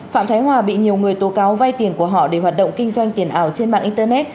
phạm thái hòa bị nhiều người tố cáo vay tiền của họ để hoạt động kinh doanh tiền ảo trên mạng internet